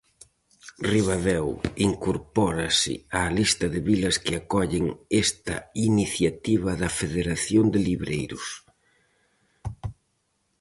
Ribadeo incorpórase á lista de vilas que acollen esta iniciativa da Federación de Libreiros.